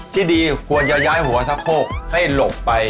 ที่ดีควรจะย้ายหัวสะโพกให้หลบไป